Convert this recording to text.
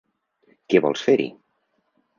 Què vols fer-hi.